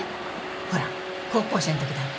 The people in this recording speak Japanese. ほら高校生の時だっけ？